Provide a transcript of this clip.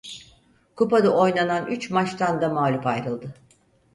Kupada oynanan üç maçtan da mağlup ayrıldı.